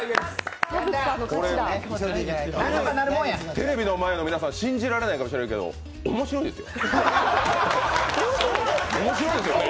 テレビの前の皆さん、信じられないかもしれないですけど、面白いですよ。